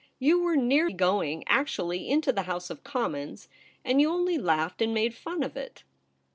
' You were near going actually into the House of Commons ; and you only laughed and made fun of it.'